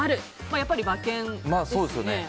やっぱり馬券ですね。